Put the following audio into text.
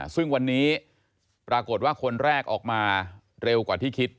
ซึ่งวันนี้ปรากฏว่าคนแรกออกมาเร็วกว่าที่คิด